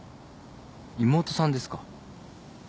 妹さんですか？